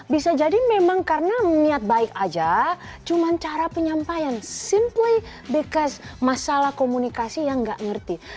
bisa jadi memang karena niat baik aja cuma cara penyampaian simply because masalah komunikasi yang nggak ngerti